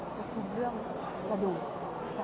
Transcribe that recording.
พี่คิดว่าเข้างานทุกครั้งอยู่หรือเปล่า